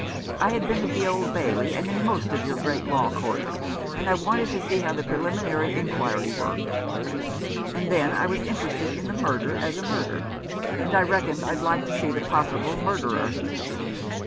I had been at the Old Bailey, and in most of your great law courts, and I wanted to see how the preliminary inquiry worked. And then, I was interested in the murder as a murder ; and I reckoned I'd like to see the possible murderer."